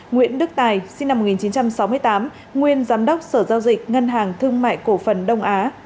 nguyễn đức tài sinh năm một nghìn chín trăm sáu mươi tám nguyên giám đốc sở giao dịch ngân hàng thương mại cổ phần đông á